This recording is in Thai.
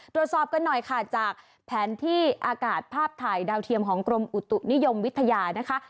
ตรวจสอบกันหน่อยค่ะจากแผนที่อากาศภาพถ่ายดาวเทียมของกรมอุตุนิยมวิทยานะคะ